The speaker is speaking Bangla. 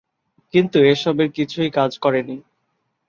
কিন্তু এসবের কিছুই কাজ করেনি।